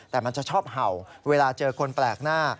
แต่มันจะชอบเห่าเวลาเจอคนแปลกหน้า